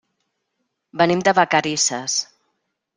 Venim de Vacarisses.